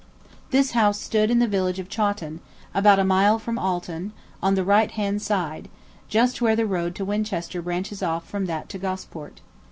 jpg] This house stood in the village of Chawton, about a mile from Alton, on the right hand side, just where the road to Winchester branches off from that to Gosport.